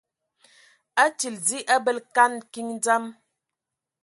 Atili dzi a bələ kan kiŋ dzam.